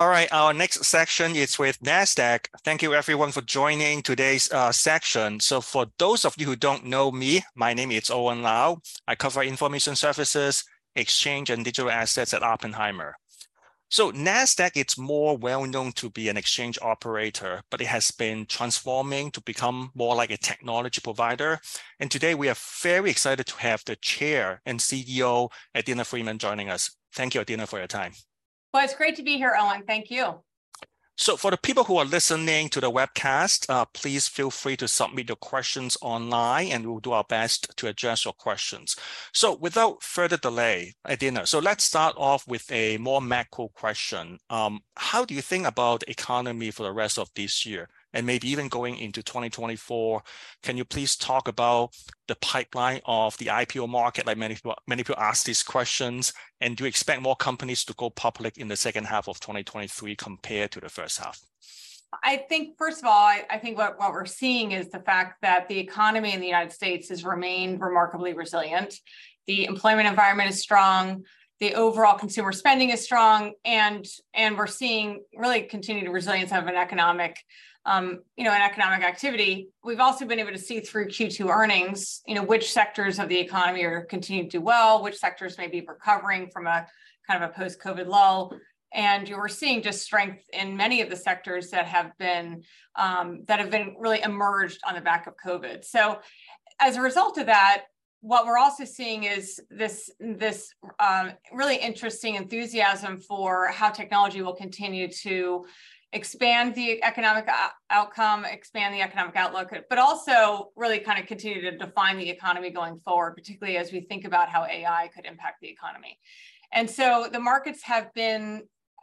All right, our next section is with Nasdaq. Thank you everyone for joining today's session. For those of you who don't know me, my name is Owen Lau. I cover information services, exchange, and digital assets at Oppenheimer. Nasdaq, it's more well known to be an exchange operator, but it has been transforming to become more like a technology provider. Today we are very excited to have the Chair and CEO, Adena Friedman, joining us. Thank you, Adena, for your time. Well, it's great to be here, Owen, thank you. For the people who are listening to the webcast, please feel free to submit your questions online, and we'll do our best to address your questions. Without further delay, Adena, let's start off with a more macro question. How do you think about economy for the rest of this year, and maybe even going into 2024? Can you please talk about the pipeline of the IPO market, like many, many people ask these questions, and do you expect more companies to go public in the second half of 2023 compared to the first half? I think, first of all, I, I think what, what we're seeing is the fact that the economy in the United States has remained remarkably resilient. The employment environment is strong, the overall consumer spending is strong, and we're seeing really continued resilience of an economic, you know, an economic activity. We've also been able to see through Q2 earnings, you know, which sectors of the economy are continuing to do well, which sectors may be recovering from a kind of a post-COVID lull. We're seeing just strength in many of the sectors that have been really emerged on the back of COVID. As a result of that, what we're also seeing is this, this really interesting enthusiasm for how technology will continue to expand the economic outcome, expand the economic outlook, but also really kind of continue to define the economy going forward, particularly as we think about how AI could impact the economy. The markets have been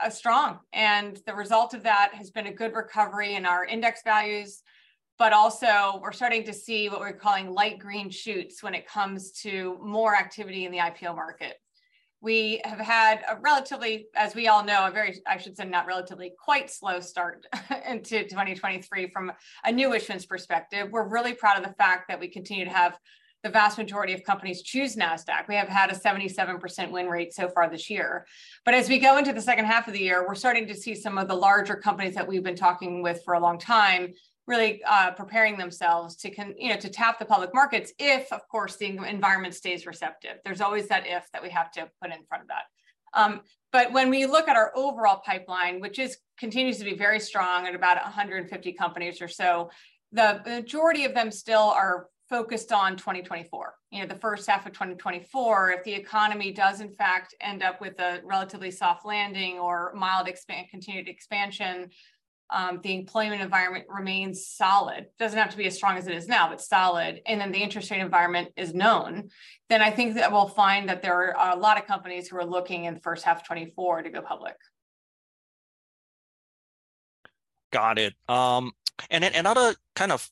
strong, and the result of that has been a good recovery in our index values. Also, we're starting to see what we're calling light green shoots when it comes to more activity in the IPO market. We have had a relatively, as we all know, a very- I should say, not relatively, quite slow start into 2023 from a new issuance perspective. We're really proud of the fact that we continue to have the vast majority of companies choose Nasdaq. We have had a 77% win rate so far this year. As we go into the second half of the year, we're starting to see some of the larger companies that we've been talking with for a long time really, preparing themselves to you know, to tap the public markets, if, of course, the environment stays receptive. There's always that "if" that we have to put in front of that. When we look at our overall pipeline, which is continues to be very strong at about 150 companies or so, the majority of them still are focused on 2024. You know, the first half of 2024, if the economy does, in fact, end up with a relatively soft landing or mild continued expansion, the employment environment remains solid. Doesn't have to be as strong as it is now, but solid, and then the interest rate environment is known, then I think that we'll find that there are a lot of companies who are looking in the first half 2024 to go public. Got it. Another kind of,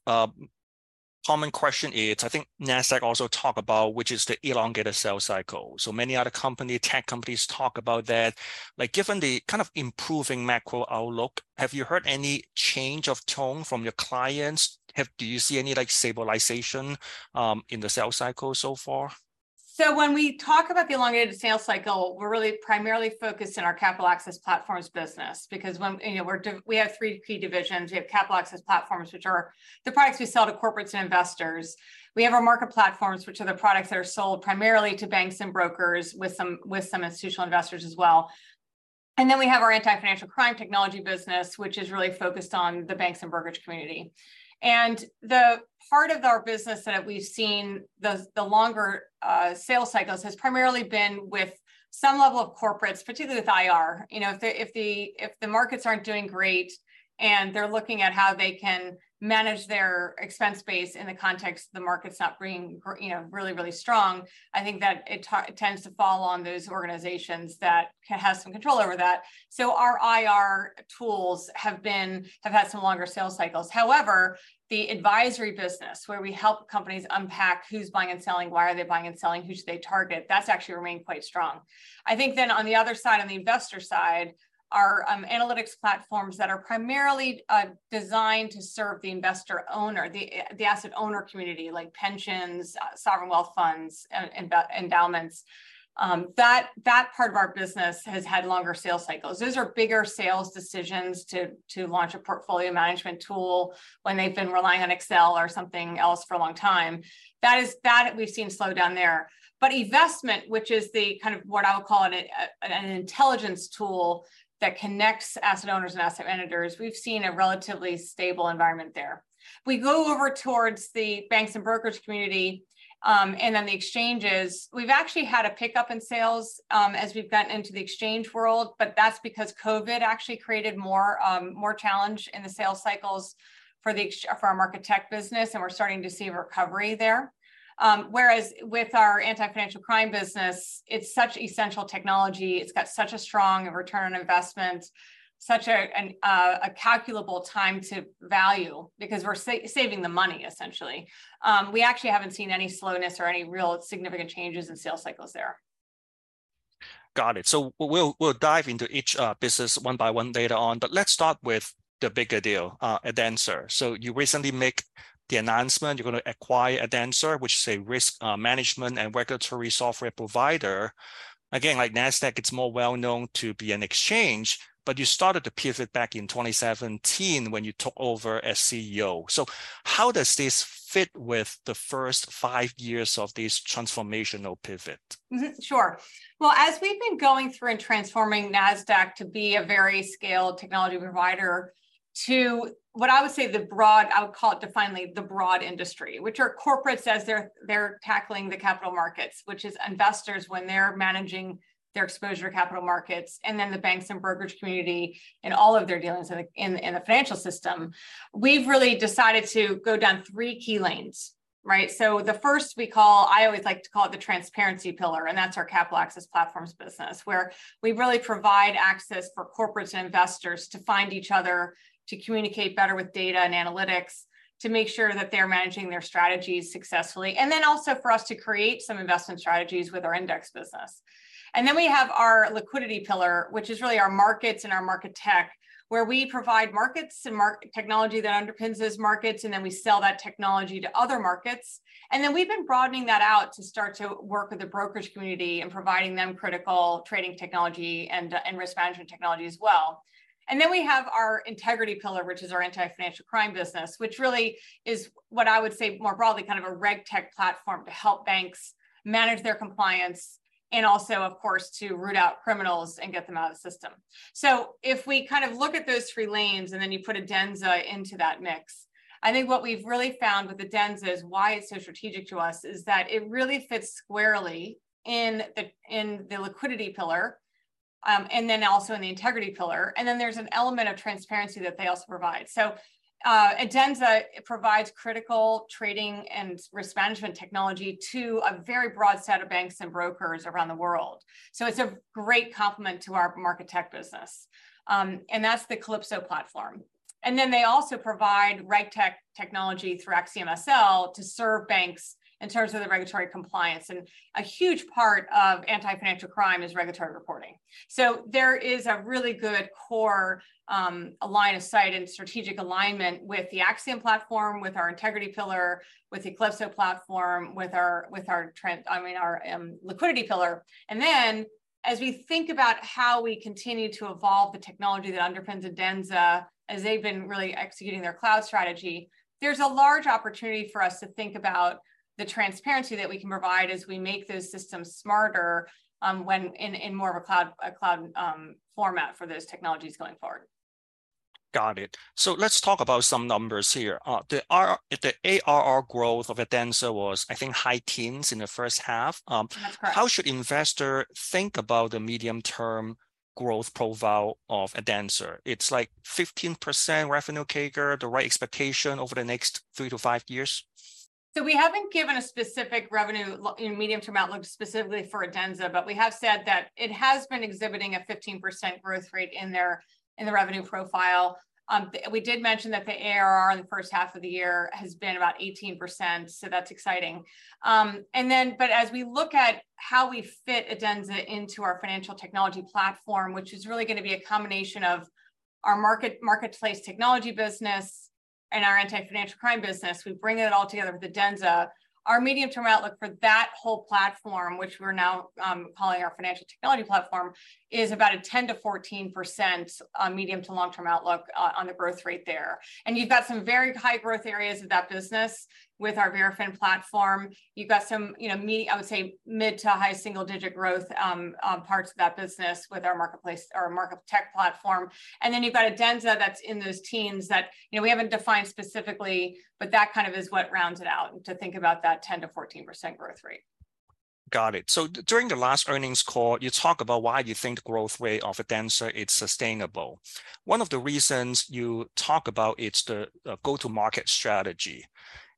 common question is, I think Nasdaq also talk about, which is the elongated sales cycle. Many other company, tech companies talk about that. Like, given the kind of improving macro outlook, have you heard any change of tone from your clients? Do you see any, like, stabilization, in the sales cycle so far? When we talk about the elongated sales cycle, we're really primarily focused on our Capital Access Platforms business because you know, we have three key divisions. We have Capital Access Platforms, which are the products we sell to corporates and investors. We have our Market Platforms, which are the products that are sold primarily to banks and brokers, with some, with some institutional investors as well. Then we have our Anti-Financial Crime technology business, which is really focused on the banks and brokerage community. The part of our business that we've seen the longer sales cycles has primarily been with some level of corporates, particularly with IR. You know, if the, if the, if the markets aren't doing great, and they're looking at how they can manage their expense base in the context of the market's not being, you know, really, really strong, I think that it tends to fall on those organizations that have some control over that. Our IR tools have had some longer sales cycles. However, the advisory business, where we help companies unpack who's buying and selling, why are they buying and selling, who should they target, that's actually remained quite strong. I think on the other side, on the investor side, our analytics platforms that are primarily designed to serve the investor owner, the asset owner community, like pensions, sovereign wealth funds, and endowments, that, that part of our business has had longer sales cycles. Those are bigger sales decisions to, to launch a portfolio management tool when they've been relying on Excel or something else for a long time. That is, that we've seen slow down there. But investment, which is the kind of what I would call an intelligence tool that connects asset owners and asset managers, we've seen a relatively stable environment there. We go over towards the banks and brokers community, and then the exchanges. We've actually had a pickup in sales, as we've got into the exchange world, but that's because COVID actually created more, more challenge in the sales cycles for our Marketplace Technology business, and we're starting to see a recovery there. Whereas with our Anti-Financial Crime business, it's such essential technology, it's got such a strong return on investment, such a, an, a calculable time-to-value because we're saving them money, essentially. We actually haven't seen any slowness or any real significant changes in sales cycles there. Got it. We'll, we'll dive into each business one by one later on, but let's start with the bigger deal, Adenza. You recently make the announcement, you're gonna acquire Adenza, which is a risk management and regulatory software provider. Again, like Nasdaq, it's more well-known to be an exchange, but you started to pivot back in 2017 when you took over as CEO. How does this fit with the first five years of this transformational pivot? Sure. Well, as we've been going through and transforming Nasdaq to be a very scaled technology provider to, what I would say, the broad, I would call it, to finally, the broad industry, which are corporates as they're tackling the capital markets, which is investors when they're managing their exposure to capital markets, and then the banks and brokerage community and all of their dealings in the financial system. We've really decided to go down three key lanes, right? The first we call, I always like to call it the Transparency pillar, and that's our Capital Access Platforms business, where we really provide access for corporates and investors to find each other, to communicate better with data and analytics, to make sure that they're managing their strategies successfully, and then also for us to create some investment strategies with our index business. We have our Liquidity pillar, which is really our markets and our Market Technology, where we provide markets and mar- technology that underpins those markets, and then we sell that technology to other markets. We've been broadening that out to start to work with the brokerage community and providing them critical trading technology and risk management technology as well. We have our Integrity pillar, which is our Anti-Financial Crime business, which really is, what I would say, more broadly, kind of a RegTech platform to help banks manage their compliance and also, of course, to root out criminals and get them out of the system. If we kind of look at those three lanes, and then you put Adenza into that mix, I think what we've really found with Adenza is why it's so strategic to us, is that it really fits squarely in the, in the Liquidity pillar, and then also in the Integrity pillar, and then there's an element of transparency that they also provide. Adenza provides critical trading and risk management technology to a very broad set of banks and brokers around the world. It's a great complement to our Market Technology business. That's the Calypso platform. Then they also provide RegTech technology through AxiomSL to serve banks in terms of the regulatory compliance, and a huge part of Anti-Financial Crime is regulatory reporting. There is a really good core line of sight and strategic alignment with the Axiom platform, with our Integrity pillar, with the Calypso platform, I mean, our Liquidity pillar. As we think about how we continue to evolve the technology that underpins Adenza, as they've been really executing their cloud strategy, there's a large opportunity for us to think about the transparency that we can provide as we make those systems smarter, when in more of a cloud format for those technologies going forward. Got it. Let's talk about some numbers here. The ARR growth of Adenza was, I think, high teens in the first half. That's correct. How should investor think about the medium-term growth profile of Adenza? It's like 15% revenue CAGR, the right expectation over the next three to five years? We haven't given a specific revenue in medium-term outlook specifically for Adenza, but we have said that it has been exhibiting a 15% growth rate in their, in the revenue profile. We did mention that the ARR in the first half of the year has been about 18%, that's exciting. As we look at how we fit Adenza into our Financial Technology platform, which is really gonna be a combination of our Marketplace Technology business and our Anti-Financial Crime business, we bring it all together with Adenza. Our medium-term outlook for that whole platform, which we're now calling our Financial Technology platform, is about a 10%-14% medium to long-term outlook on the growth rate there. You've got some very high growth areas of that business with our Verafin platform. You've got some, you know, I would say, mid to high single-digit growth, parts of that business with our marketplace or market tech platform. Then you've got Adenza that's in those teams that, you know, we haven't defined specifically, but that kind of is what rounds it out, to think about that 10%-14% growth rate. Got it. During the last earnings call, you talk about why you think growth rate of Adenza is sustainable. One of the reasons you talk about, it's the go-to market strategy.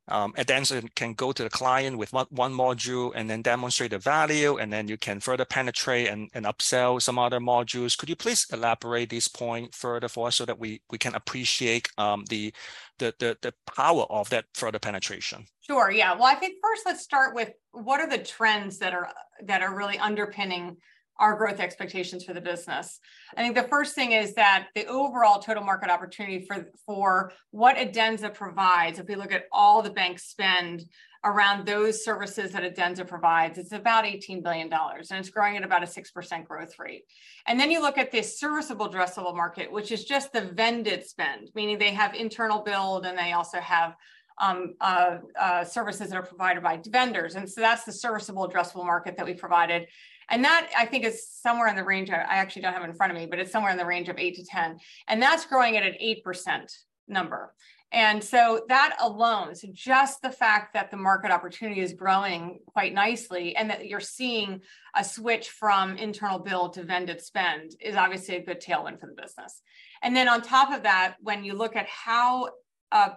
Adenza can go to the client with one module and then demonstrate the value, and then you can further penetrate and, and upsell some other modules. Could you please elaborate this point further for us so that we, we can appreciate the power of that further penetration? Sure, yeah. Well, I think first let's start with what are the trends that are, that are really underpinning our growth expectations for the business? I think the first thing is that the overall total market opportunity for, for what Adenza provides, if we look at all the banks spend around those services that Adenza provides, it's about $18 billion, and it's growing at about a 6% growth rate. Then you look at the serviceable addressable market, which is just the vended spend, meaning they have internal build, and they also have services that are provided by vendors. So that's the serviceable addressable market that we provided. That, I think, is somewhere in the range of... I actually don't have it in front of me, but it's somewhere in the range of 8-10, and that's growing at an 8% number. Just the fact that the market opportunity is growing quite nicely and that you're seeing a switch from internal build to vended spend, is obviously a good tailwind for the business. When you look at how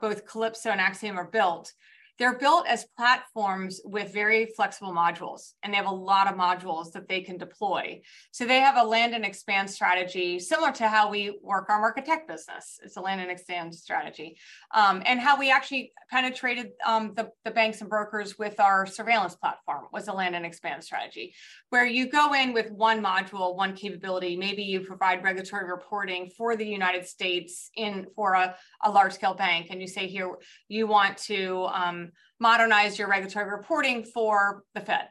both Calypso and Axiom are built. They're built as platforms with very flexible modules, and they have a lot of modules that they can deploy. They have a land-and-expand strategy, similar to how we work our architect business. It's a land-and-expand strategy. How we actually penetrated the banks and brokers with our surveillance platform was a land-and-expand strategy, where you go in with one module, one capability. Maybe you provide regulatory reporting for the United States for a large-scale bank, and you say, "Here, you want to modernize your regulatory reporting for the Fed."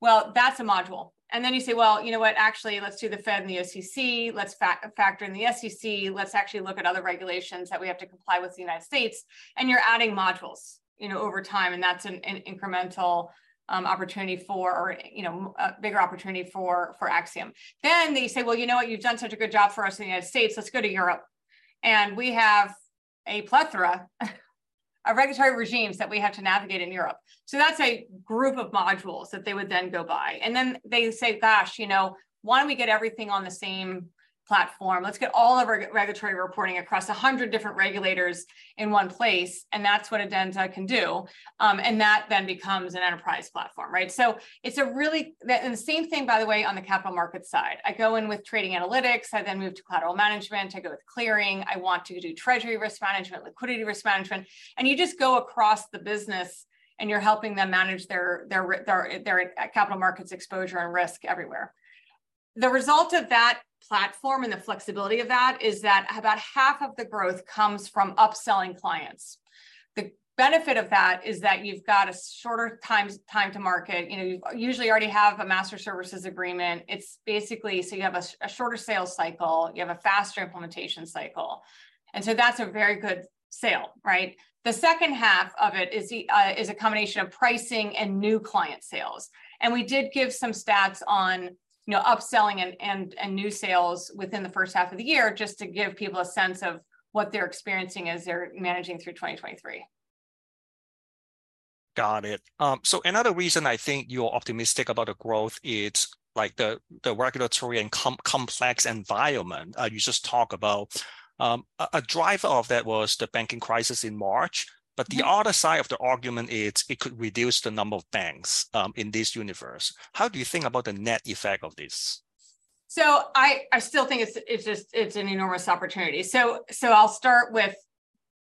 Well, that's a module. Then you say, "Well, you know what? Actually, let's do the Fed and the OCC. Let's factor in the SEC. Let's actually look at other regulations that we have to comply with in the United States," and you're adding modules, you know, over time, and that's an incremental opportunity for, or, you know, a bigger opportunity for Axiom. Then they say, "Well, you know what? You've done such a good job for us in the United States, let's go to Europe." We have a plethora of regulatory regimes that we have to navigate in Europe. That's a group of modules that they would then go buy. Then they say, "Gosh, you know, why don't we get everything on the same platform? Let's get all of our regulatory reporting across 100 different regulators in one place," and that's what Adenza can do. That then becomes an enterprise platform, right? It's a really. The same thing, by the way, on the capital market side. I go in with trading analytics. I then move to collateral management. I go with clearing. I want to do treasury risk management, liquidity risk management, and you just go across the business, and you're helping them manage their, their capital markets exposure and risk everywhere. The result of that platform and the flexibility of that is that about half of the growth comes from upselling clients. The benefit of that is that you've got a shorter time to market. You know, you usually already have a master services agreement. It's basically so you have a shorter sales cycle, you have a faster implementation cycle, and so that's a very good sale, right? The second half of it is the is a combination of pricing and new client sales. We did give some stats on, you know, upselling and, and, and new sales within the first half of the year, just to give people a sense of what they're experiencing as they're managing through 2023. Got it. Another reason I think you're optimistic about the growth, it's like the, the regulatory and complex environment, you just talk about. A driver of that was the banking crisis in March. Mm-hmm ... but the other side of the argument is it could reduce the number of banks, in this universe. How do you think about the net effect of this? I, I still think it's, it's just, it's an enormous opportunity. I'll start with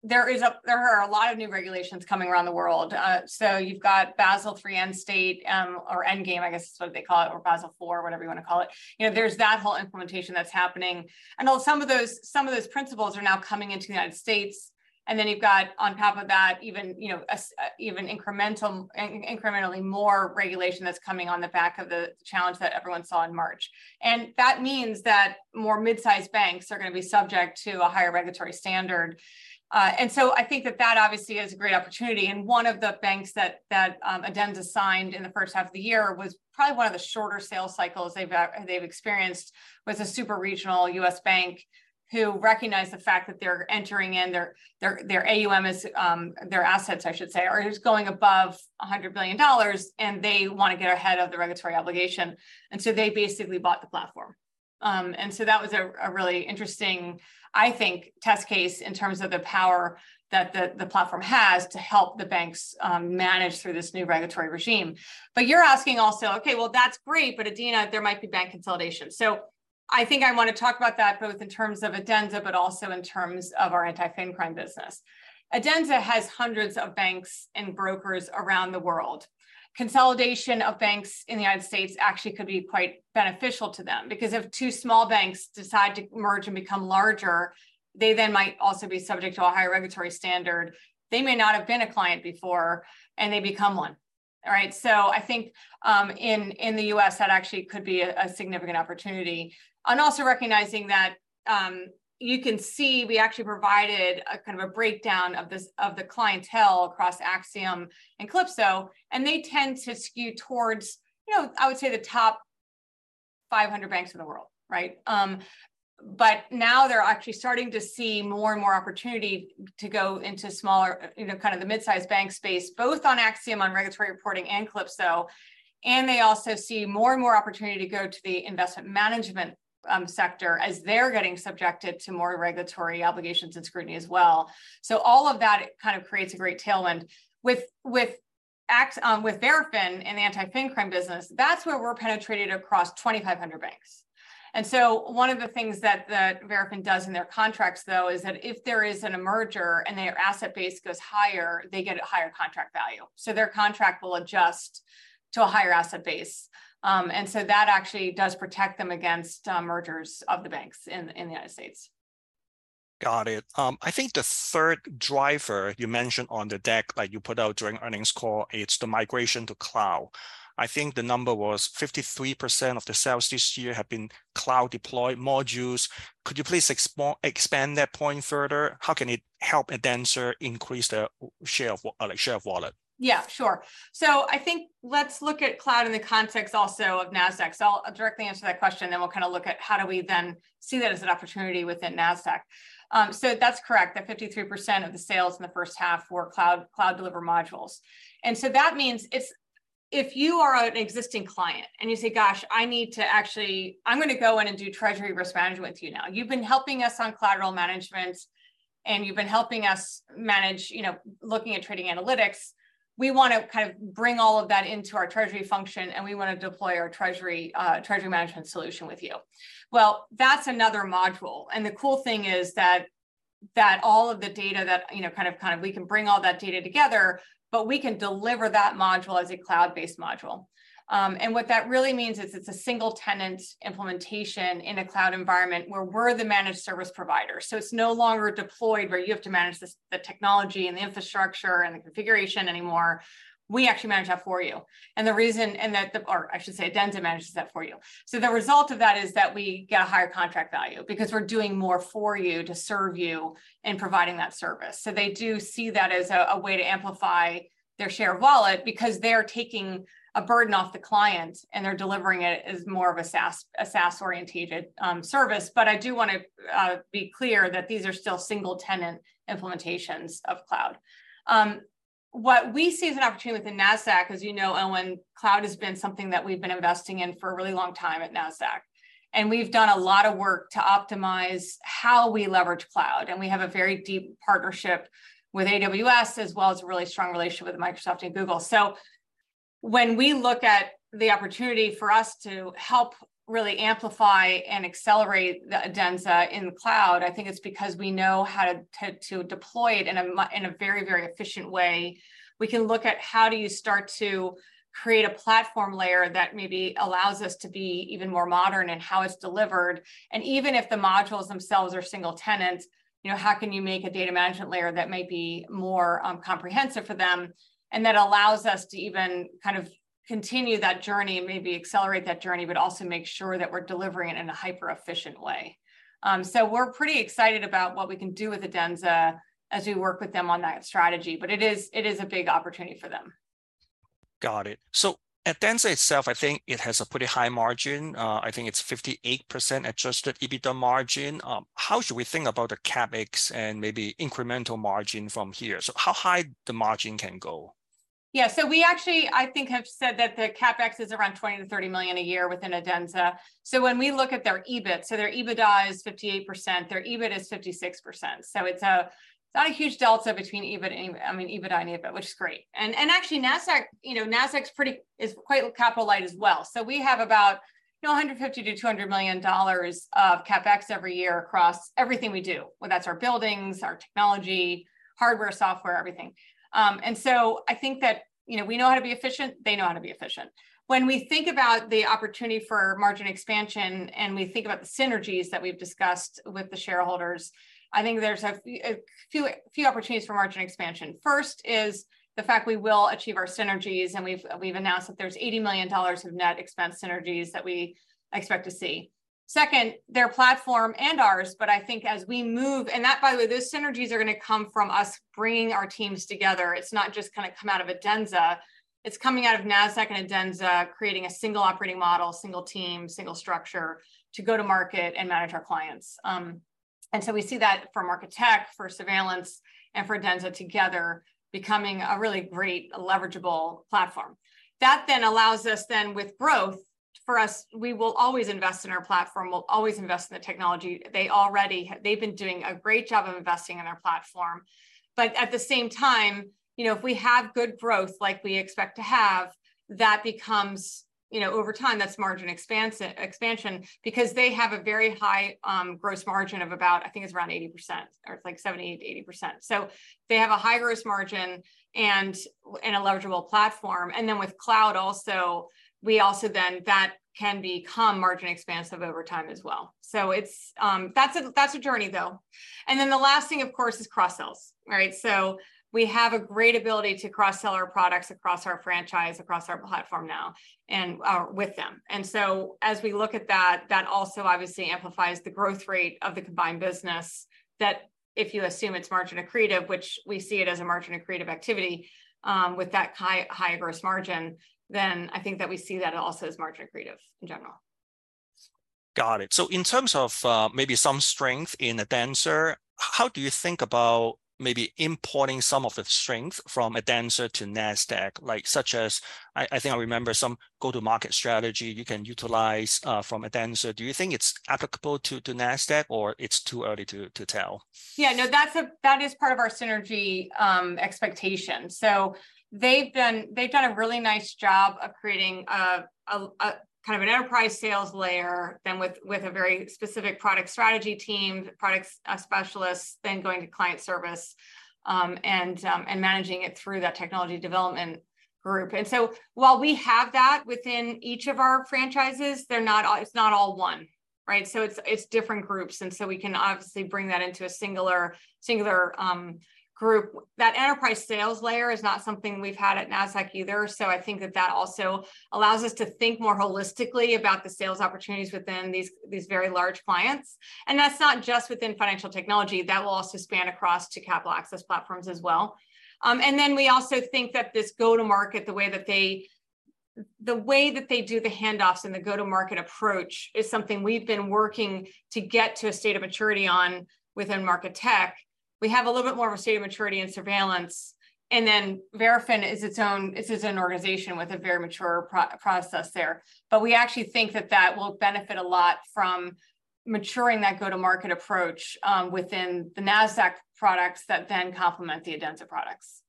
there are a lot of new regulations coming around the world. So you've got Basel III end state, or endgame, I guess is what they call it, or Basel IV, whatever you wanna call it. You know, there's that whole implementation that's happening, and though some of those, some of those principles are now coming into the United States, and then you've got, on top of that, even, you know, even incremental, incrementally more regulation that's coming on the back of the challenge that everyone saw in March. That means that more mid-sized banks are gonna be subject to a higher regulatory standard. I think that that obviously is a great opportunity, and one of the banks that, that, Adenza signed in the first half of the year was probably one of the shorter sales cycles they've they've experienced with a super-regional U.S. bank, who recognized the fact that they're entering in their, their, their AUM is, their assets, I should say, are just going above $100 billion, and they wanna get ahead of the regulatory obligation. They basically bought the platform. That was a, a really interesting, I think, test case in terms of the power that the, the platform has to help the banks, manage through this new regulatory regime. You're asking also, "Okay, well, that's great, but Adena, there might be bank consolidation." I think I wanna talk about that, both in terms of Adenza, but also in terms of our Anti-Financial Crime business. Adenza has hundreds of banks and brokers around the world. Consolidation of banks in the United States actually could be quite beneficial to them because if two small banks decide to merge and become larger, they then might also be subject to a higher regulatory standard. They may not have been a client before, and they become one. All right? I think, in the U.S., that actually could be a significant opportunity. Also recognizing that, you can see we actually provided a kind of a breakdown of this of the clientele across Axiom and Calypso, and they tend to skew towards, you know, I would say, the top 500 banks in the world, right. But now they're actually starting to see more and more opportunity to go into smaller, you know, kind of the mid-sized bank space, both on Axiom, on regulatory reporting, and Calypso. They also see more and more opportunity to go to the investment management sector, as they're getting subjected to more regulatory obligations and scrutiny as well. All of that kind of creates a great tailwind. With Verafin and the Anti-Financial Crime business, that's where we're penetrated across 2,500 banks. One of the things that Verafin does in their contracts, though, is that if there is a merger and their asset base goes higher, they get a higher contract value. Their contract will adjust to a higher asset base. That actually does protect them against mergers of the banks in the United States. Got it. I think the third driver you mentioned on the deck, like you put out during earnings call, it's the migration to cloud. I think the number was 53% of the sales this year have been cloud-deployed modules. Could you please expand that point further? How can it help Adenza increase their share of wallet? I think let's look at cloud in the context also of Nasdaq. I'll directly answer that question, then we'll kind of look at how do we then see that as an opportunity within Nasdaq. That's correct, that 53% of the sales in the first half were cloud, cloud-delivered modules. That means it's if you are an existing client, and you say, "Gosh, I need to actually I'm gonna go in and do treasury risk management with you now. You've been helping us on collateral management, and you've been helping us manage, you know, looking at trading analytics. We wanna kind of bring all of that into our treasury function, and we wanna deploy our treasury, treasury management solution with you. Well, that's another module, and the cool thing is that, that all of the data that, you know, kind of, kind of, we can bring all that data together, but we can deliver that module as a cloud-based module. What that really means is it's a single-tenant implementation in a cloud environment where we're the managed service provider. So it's no longer deployed where you have to manage the technology, and the infrastructure, and the configuration anymore. We actually manage that for you. That, or I should say, Adenza manages that for you. The result of that is that we get a higher contract value, because we're doing more for you to serve you in providing that service. They do see that as a way to amplify their share of wallet, because they're taking a burden off the client, and they're delivering it as more of a SaaS, a SaaS-oriented service. I do wanna be clear that these are still single-tenant implementations of cloud. What we see as an opportunity within Nasdaq, as you know, Owen, cloud has been something that we've been investing in for a really long time at Nasdaq. We've done a lot of work to optimize how we leverage cloud, and we have a very deep partnership with AWS, as well as a really strong relationship with Microsoft and Google. When we look at the opportunity for us to help really amplify and accelerate the Adenza in the cloud, I think it's because we know how to deploy it in a very, very efficient way. We can look at how do you start to create a platform layer that maybe allows us to be even more modern in how it's delivered? Even if the modules themselves are single-tenant, you know, how can you make a data management layer that might be more comprehensive for them, and that allows us to even kind of continue that journey and maybe accelerate that journey, but also make sure that we're delivering it in a hyper-efficient way? We're pretty excited about what we can do with Adenza as we work with them on that strategy, but it is, it is a big opportunity for them. Got it. Adenza itself, I think it has a pretty high margin. I think it's 58% adjusted EBITDA margin. How should we think about the CapEx and maybe incremental margin from here? How high the margin can go? We actually, I think, have said that the CapEx is around $20 million-$30 million a year within Adenza. When we look at their EBIT, so their EBITDA is 58%, their EBIT is 56%, so it's not a huge delta between EBIT and, I mean, EBITDA and EBIT, which is great. And actually, Nasdaq, you know, Nasdaq's quite capital light as well. We have about, you know, $150 million-$200 million of CapEx every year across everything we do, whether that's our buildings, our technology, hardware, software, everything. I think that, you know, we know how to be efficient, they know how to be efficient. When we think about the opportunity for margin expansion, we think about the synergies that we've discussed with the shareholders, I think there's a few, few opportunities for margin expansion. First, is the fact we will achieve our synergies. We've, we've announced that there's $80 million of net expense synergies that we expect to see. Second, their platform and ours. I think as we move... That, by the way, those synergies are gonna come from us bringing our teams together. It's not just gonna come out of Adenza, it's coming out of Nasdaq and Adenza, creating a single operating model, single team, single structure, to go to market and manage our clients. So we see that for Marketplace Technology, for surveillance, and for Adenza together, becoming a really great leverageable platform. That then allows us then, with growth, for us, we will always invest in our platform, we'll always invest in the technology. They already, they've been doing a great job of investing in our platform. At the same time, you know, if we have good growth like we expect to have, that becomes, you know, over time, that's margin expansion. Because they have a very high gross margin of about, I think it's around 80%, or it's like 70%-80%. They have a high gross margin and a leverageable platform, and then with cloud also, we also then, that can become margin expansive over time as well. That's a, that's a journey, though. The last thing, of course, is cross-sells, right? We have a great ability to cross-sell our products across our franchise, across our platform now, and with them. As we look at that, that also obviously amplifies the growth rate of the combined business, that if you assume it's margin accretive, which we see it as a margin accretive activity, with that high, higher gross margin, then I think that we see that also as margin accretive in general. Got it. In terms of maybe some strength in Adenza, how do you think about maybe importing some of the strength from Adenza to Nasdaq? Like, such as, I, I think I remember some go-to-market strategy you can utilize from Adenza. Do you think it's applicable to, to Nasdaq, or it's too early to, to tell? Yeah, no, that's that is part of our synergy expectation. They've done, they've done a really nice job of creating a kind of an enterprise sales layer, then with a very specific product strategy team, product specialists, then going to client service, and managing it through that technology development group. While we have that within each of our franchises, they're not all- it's not all one, right? It's different groups, and so we can obviously bring that into a singular, singular group. That enterprise sales layer is not something we've had at Nasdaq either. I think that that also allows us to think more holistically about the sales opportunities within these very large clients, and that's not just within Financial Technology. That will also span across to Capital Access Platforms as well. We also think that this go-to-market, The way that they do the handoffs and the go-to-market approach is something we've been working to get to a state of maturity on within Marketplace Technology. We have a little bit more of a state of maturity and surveillance, Verafin is this is an organization with a very mature process there. We actually think that that will benefit a lot from maturing that go-to-market approach within the Nasdaq products that then complement the Adenza products.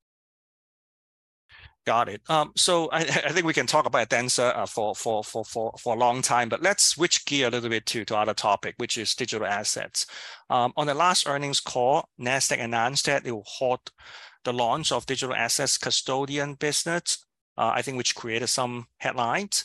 Got it. I, I think we can talk about Adenza for, for, for, for, for a long time, let's switch gear a little bit to, to other topic, which is digital assets. On the last earnings call, Nasdaq announced that it will halt the launch of digital assets custodian business, I think which created some headlines.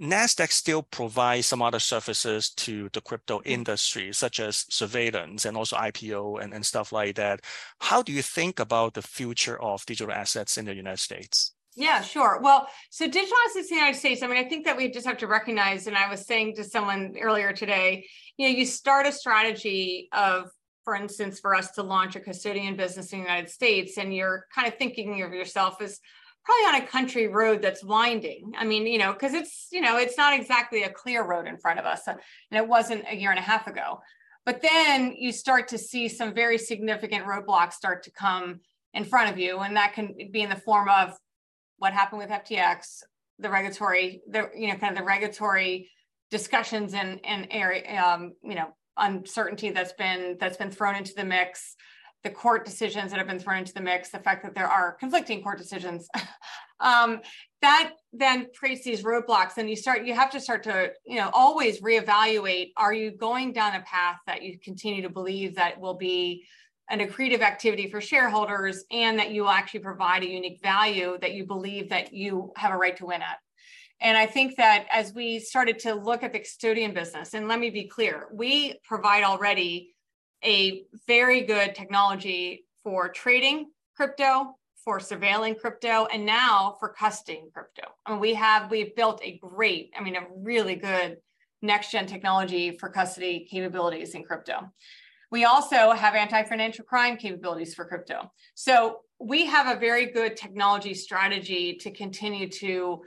Nasdaq still provides some other services to the crypto industry, such as surveillance and also IPO and, and stuff like that. How do you think about the future of digital assets in the United States? Yeah, sure. Well, digital assets in the United States, I mean, I think that we just have to recognize, and I was saying to someone earlier today, you know, you start a strategy of, for instance, for us to launch a custodian business in the United States, and you're kind of thinking of yourself as probably on a country road that's winding. I mean, you know, 'cause it's, you know, it's not exactly a clear road in front of us, and it wasn't a year and a half ago. Then you start to see some very significant roadblocks start to come in front of you, and that can be in the form of what happened with FTX, the regulatory... the, you know, kind of the regulatory discussions and, and area, you know, uncertainty that's been, that's been thrown into the mix, the court decisions that have been thrown into the mix, the fact that there are conflicting court decisions. That then creates these roadblocks, and you have to start to, you know, always reevaluate, are you going down a path that you continue to believe that will be an accretive activity for shareholders, and that you will actually provide a unique value that you believe that you have a right to win at? I think that as we started to look at the custodian business, and let me be clear, we provide already a very good technology for trading crypto, for surveilling crypto, and now for custodying crypto. We have... We've built a great, I mean, a really good next-gen technology for custody capabilities in crypto. We also have Anti-Financial Crime capabilities for crypto. We have a very good technology strategy to continue to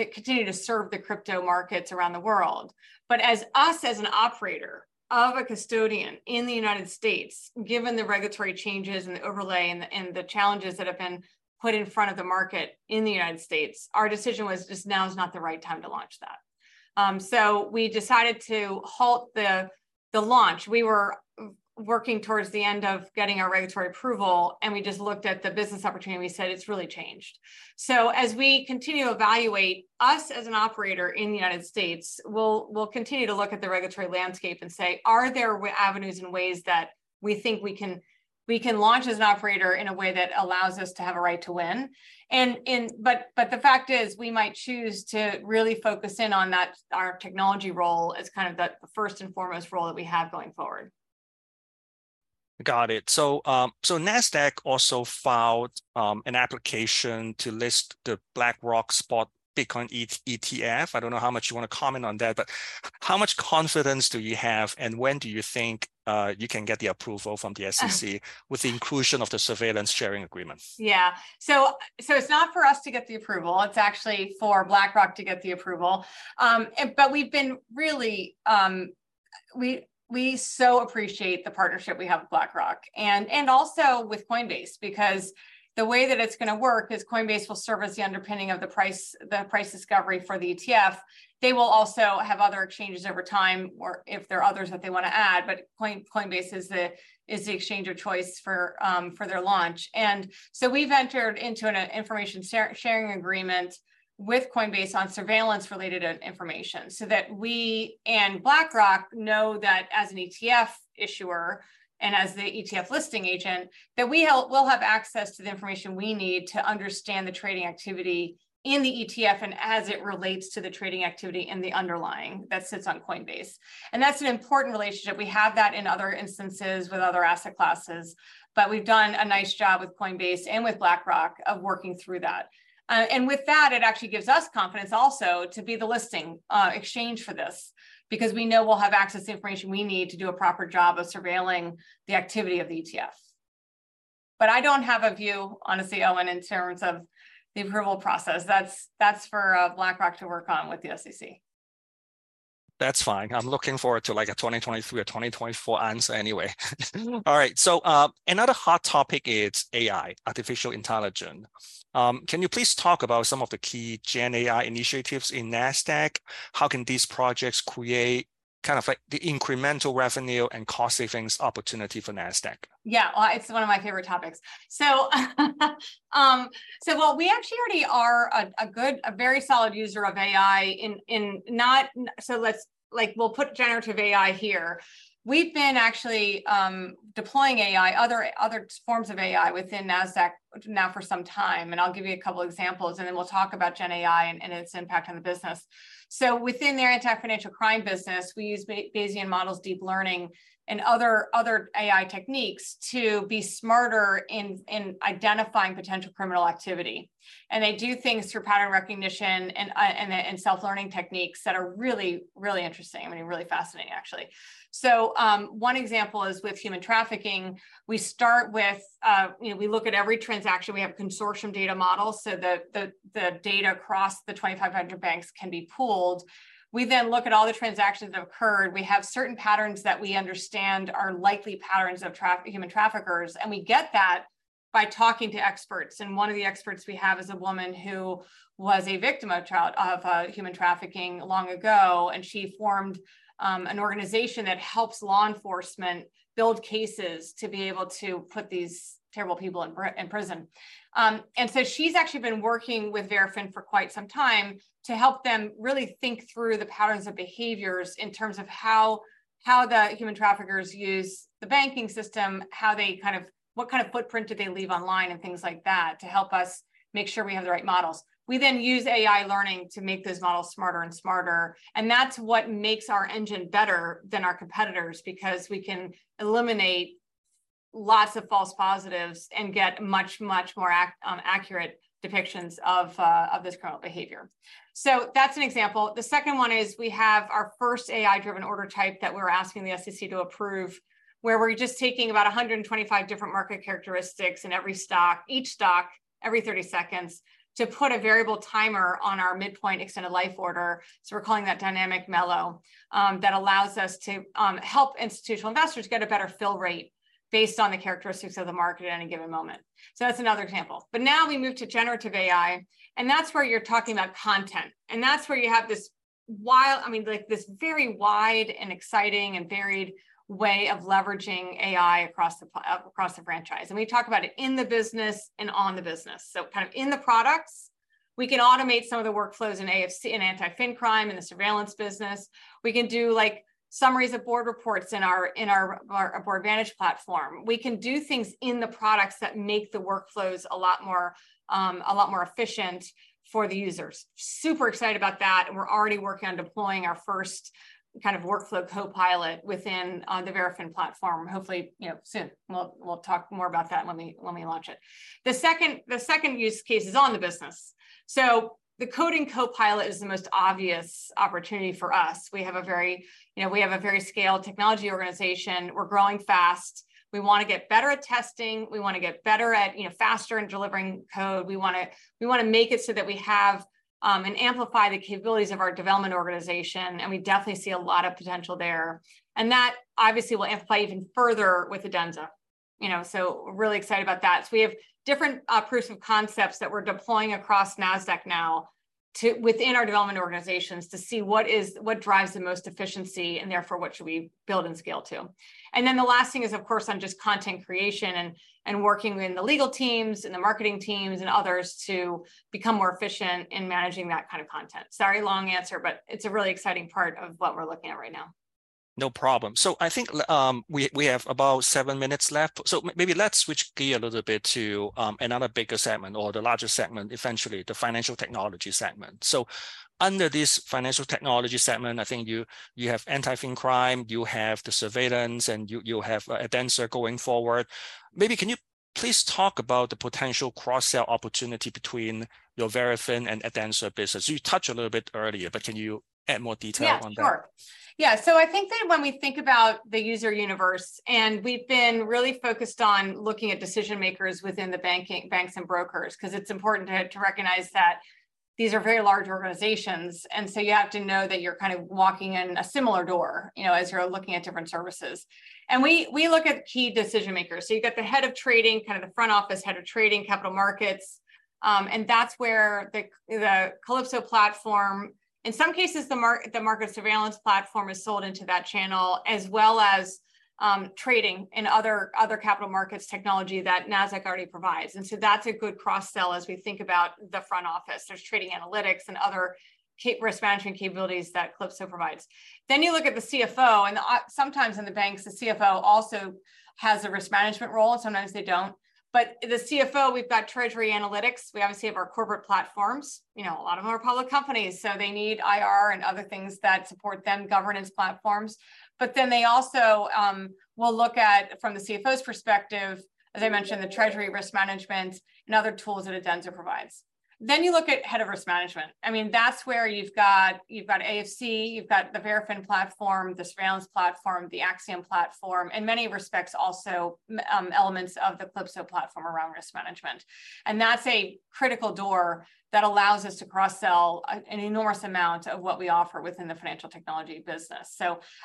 continue to serve the crypto markets around the world. As us, as an operator of a custodian in the United States, given the regulatory changes, and the overlay, and the, and the challenges that have been put in front of the market in the United States, our decision was just now is not the right time to launch that. We decided to halt the, the launch. We were working towards the end of getting our regulatory approval, and we just looked at the business opportunity, and we said, "It's really changed." As we continue to evaluate us as an operator in the United States, we'll continue to look at the regulatory landscape and say: Are there avenues and ways that we think we can launch as an operator in a way that allows us to have a right to win? But the fact is, we might choose to really focus in on that, our technology role as kind of the first and foremost role that we have going forward. Got it. Nasdaq also filed an application to list the BlackRock spot Bitcoin ETF. I don't know how much you wanna comment on that, but how much confidence do you have, and when do you think you can get the approval from the SEC? Um with the inclusion of the surveillance sharing agreement? Yeah. So, it's not for us to get the approval, it's actually for BlackRock to get the approval. We've been really, we, we so appreciate the partnership we have with BlackRock and also with Coinbase, because the way that it's gonna work is Coinbase will serve as the underpinning of the price, the price discovery for the ETF. They will also have other exchanges over time, or if there are others that they wanna add, but Coinbase is the, is the exchange of choice for, for their launch. So we've entered into an information sharing agreement with Coinbase on surveillance-related information, so that we and BlackRock know that as an ETF issuer and as the ETF listing agent, that we'll have access to the information we need to understand the trading activity in the ETF and as it relates to the trading activity in the underlying that sits on Coinbase. That's an important relationship. We have that in other instances with other asset classes, but we've done a nice job with Coinbase and with BlackRock of working through that. With that, it actually gives us confidence also to be the listing exchange for this, because we know we'll have access to information we need to do a proper job of surveilling the activity of the ETF. I don't have a view on a CEO in terms of the approval process. That's, that's for BlackRock to work on with the SEC. That's fine. I'm looking forward to, like, a 2023 or 2024 answer anyway. Mm. All right. Another hot topic is AI, artificial intelligence. Can you please talk about some of the key Gen AI initiatives in Nasdaq? How can these projects create kind of like the incremental revenue and cost savings opportunity for Nasdaq? Yeah. Well, it's one of my favorite topics. So, so well, we actually already are a, a good, a very solid user of AI in, in... not, so let's- like, we'll put Generative AI here. We've been actually, deploying AI, other, other forms of AI within Nasdaq now for some time, and I'll give you a couple examples, and then we'll talk about Gen AI and, and its impact on the business. Within the Anti-Financial Crime business, we use Bayesian models, deep learning, and other, other AI techniques to be smarter in, in identifying potential criminal activity. They do things through pattern recognition and, and, and self-learning techniques that are really, really interesting. I mean, really fascinating, actually. One example is with human trafficking, we start with, you know, we look at every transaction. We have consortium data models, so the, the, the data across the 2,500 banks can be pooled. We then look at all the transactions that have occurred. We have certain patterns that we understand are likely patterns of human traffickers, and we get that. By talking to experts, and one of the experts we have is a woman who was a victim of human trafficking long ago, and she formed an organization that helps law enforcement build cases to be able to put these terrible people in prison. So she's actually been working with Verafin for quite some time to help them really think through the patterns of behaviors in terms of how, how the human traffickers use the banking system, how they kind of. What kind of footprint did they leave online, and things like that, to help us make sure we have the right models. We then use AI learning to make those models smarter and smarter, and that's what makes our engine better than our competitors, because we can eliminate lots of false positives and get much, much more accurate depictions of this criminal behavior. That's an example. The second one is we have our first AI-driven order type that we're asking the SEC to approve, where we're just taking about 125 different market characteristics in every stock, each stock, every 30 seconds, to put a variable timer on our Midpoint Extended Life Order, so we're calling that Dynamic M-ELO, that allows us to help institutional investors get a better fill rate based on the characteristics of the market at any given moment. That's another example. Now we move to Generative AI, and that's where you're talking about content, and that's where you have this wild- I mean, like, this very wide and exciting and varied way of leveraging AI across the across the franchise, and we talk about it in the business and on the business. Kind of in the products, we can automate some of the workflows in AFC, in Anti-Financial Crime, in the surveillance business. We can do, like, summaries of board reports in our, in our, our Nasdaq board avantage platform. We can do things in the products that make the workflows a lot more, a lot more efficient for the users. Super excited about that. We're already working on deploying our first kind of workflow co-pilot within the Verafin platform. Hopefully, you know, soon. We'll, we'll talk more about that when we, when we launch it. The second, the second use case is on the business. The coding co-pilot is the most obvious opportunity for us. We have a very, you know, we have a very scaled technology organization. We're growing fast. We want to get better at testing. We want to get better at, you know, faster in delivering code. We wanna make it so that we have and amplify the capabilities of our development organization, and we definitely see a lot of potential there. That obviously will amplify even further with Adenza. You know, we're really excited about that. We have different proofs of concepts that we're deploying across Nasdaq now within our development organizations to see what drives the most efficiency, and therefore, what should we build and scale to? The last thing is, of course, on just content creation and, and working with the legal teams and the marketing teams and others to become more efficient in managing that kind of content. Sorry, long answer, but it's a really exciting part of what we're looking at right now. No problem. I think we, we have about seven minutes left, so maybe let's switch gear a little bit to another bigger segment or the larger segment, eventually the Financial Technology segment. Under this Financial Technology segment, I think you, you have Anti-Financial Crime, you have the surveillance, and you, you have Adenza going forward. Maybe can you please talk about the potential cross-sell opportunity between your Verafin and Adenza business? You touched a little bit earlier, but can you add more detail on that? Yeah, sure. Yeah, so I think that when we think about the user universe, and we've been really focused on looking at decision-makers within the banking, banks and brokers, 'cause it's important to recognize that these are very large organizations, and so you have to know that you're kind of walking in a similar door, you know, as you're looking at different services. We look at key decision-makers. You've got the head of trading, kind of the front office head of trading, capital markets, and that's where the Calypso platform, in some cases, the market surveillance platform is sold into that channel, as well as trading and other capital markets technology that Nasdaq already provides, and that's a good cross-sell as we think about the front office. There's trading analytics and other risk management capabilities that Calypso provides. You look at the CFO, sometimes in the banks, the CFO also has a risk management role, and sometimes they don't. The CFO, we've got treasury analytics. You know, a lot of them are public companies, so they need IR and other things that support them, governance platforms. Then they also will look at, from the CFO's perspective, as I mentioned, the treasury risk management and other tools that Adenza provides. You look at head of risk management. I mean, that's where you've got, you've got AFC, you've got the Verafin platform, the surveillance platform, the Axiom platform, in many respects also, elements of the Calypso platform around risk management. That's a critical door that allows us to cross-sell an enormous amount of what we offer within the Financial Technology business.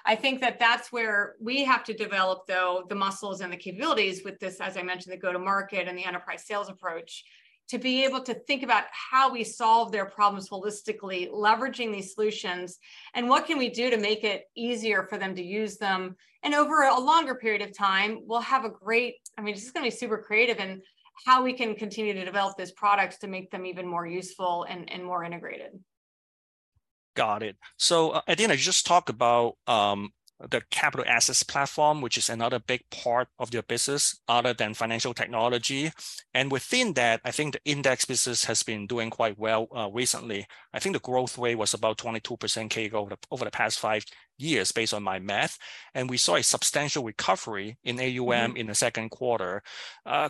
I think that that's where we have to develop, though, the muscles and the capabilities with this, as I mentioned, the go-to-market and the enterprise sales approach, to be able to think about how we solve their problems holistically, leveraging these solutions, and what can we do to make it easier for them to use them? Over a longer period of time, we'll have a great... I mean, this is gonna be super creative in how we can continue to develop these products to make them even more useful and more integrated. Got it. Adena, you just talked about the Capital Access Platforms, which is another big part of your business other than Financial Technology, and within that, I think the index business has been doing quite well recently. I think the growth rate was about 22% CAGR over the past five years, based on my math, and we saw a substantial recovery in AUM in the Q2.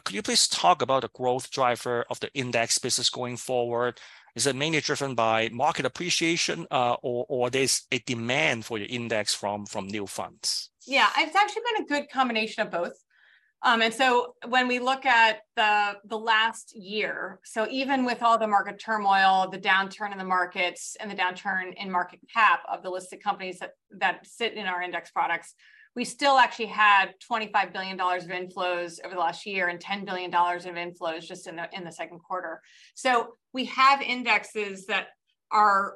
Could you please talk about the growth driver of the index business going forward? Is it mainly driven by market appreciation, or there's a demand for your index from new funds? Yeah, it's actually been a good combination of both. When we look at the, the last year, so even with all the market turmoil, the downturn in the markets and the downturn in market cap of the listed companies that, that sit in our index products, we still actually had $25 billion of inflows over the last year and $10 billion of inflows just in the, in the second quarter. We have indexes that are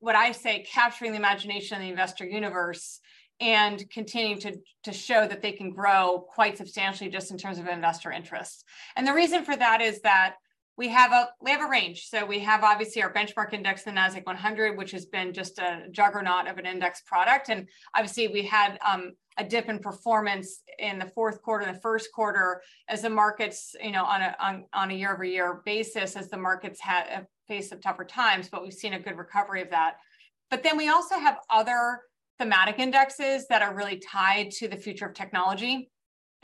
what I say capturing the imagination of the investor universe and continuing to, to show that they can grow quite substantially just in terms of investor interest. The reason for that is that we have a, we have a range. We have obviously our benchmark index, the Nasdaq-100, which has been just a juggernaut of an index product, and obviously we had a dip in performance in the Q4, Q1 as the markets, you know, on a, on, on a year-over-year basis, as the markets had a face of tougher times, but we've seen a good recovery of that. We also have other thematic indexes that are really tied to the future of technology,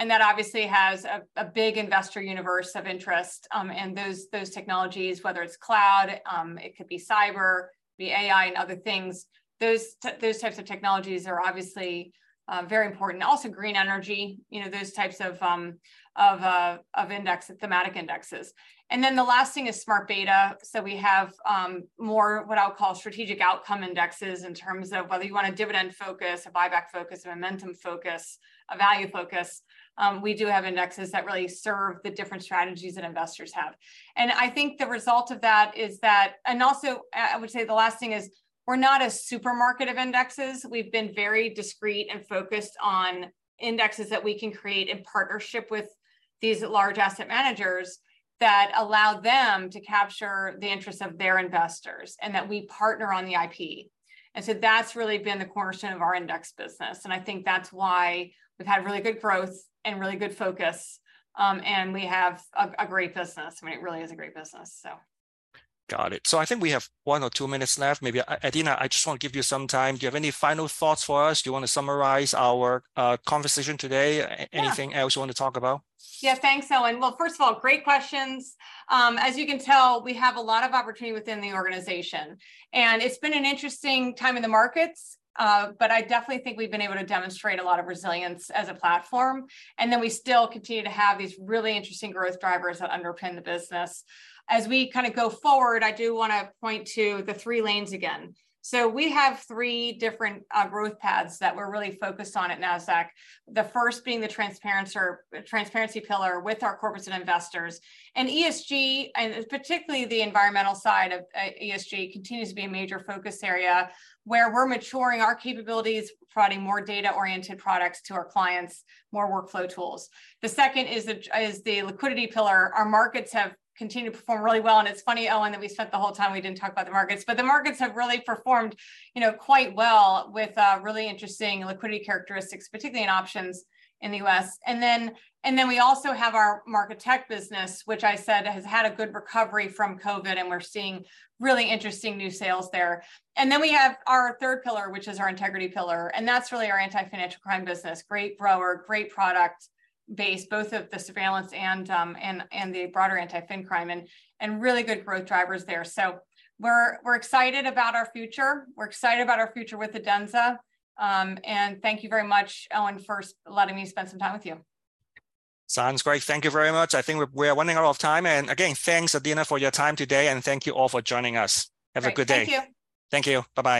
and that obviously has a big investor universe of interest. Those, those technologies, whether it's cloud, it could be cyber, it could be AI and other things, those types of technologies are obviously very important. Green energy, you know, those types of of index, thematic indexes. The last thing is smart beta. We have more what I'll call strategic outcome indexes in terms of whether you want a dividend focus, a buyback focus, a momentum focus, a value focus. We do have indexes that really serve the different strategies that investors have. I think the result of that is that. Also, I would say the last thing is, we're not a supermarket of indexes. We've been very discreet and focused on indexes that we can create in partnership with these large asset managers that allow them to capture the interest of their investors, and that we partner on the IP. That's really been the cornerstone of our index business, and I think that's why we've had really good growth and really good focus. We have a great business. I mean, it really is a great business, so. Got it. I think we have one or two minutes left. Maybe, Adena, I just want to give you some time. Do you have any final thoughts for us? Do you want to summarize our conversation today? Yeah. Anything else you want to talk about? Yeah, thanks, Owen. Well, first of all, great questions. As you can tell, we have a lot of opportunity within the organization, and it's been an interesting time in the markets. I definitely think we've been able to demonstrate a lot of resilience as a platform, and then we still continue to have these really interesting growth drivers that underpin the business. As we kind of go forward, I do want to point to the three lanes again. We have three different growth paths that we're really focused on at Nasdaq. The first being the Transparency, Transparency pillar with our corporates and investors. ESG, and particularly the environmental side of ESG, continues to be a major focus area, where we're maturing our capabilities, providing more data-oriented products to our clients, more workflow tools. The second is the, is the Liquidity pillar. Our markets have continued to perform really well, and it's funny, Owen, that we spent the whole time, we didn't talk about the markets. The markets have really performed, you know, quite well with really interesting liquidity characteristics, particularly in options in the U.S. Then, and then we also have our Market Technology business, which I said has had a good recovery from COVID, and we're seeing really interesting new sales there. Then we have our third pillar, which is our Integrity pillar, and that's really our Anti-Financial Crime business. Great grower, great product base, both of the surveillance and, and, and the broader Anti-Financial Crime, and, and really good growth drivers there. We're, we're excited about our future. We're excited about our future with Adenza. Thank you very much, Owen, for letting me spend some time with you. Sounds great. Thank you very much. I think we're running out of time. Again, thanks, Adena, for your time today, and thank you all for joining us. Great. Have a good day. Thank you. Thank you. Bye-bye.